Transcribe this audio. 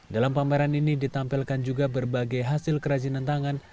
dalam pameran ini ditampilkan juga berbagai hasil kerajinan tangan